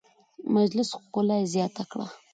د مجلس ښکلا یې زیاته کړه.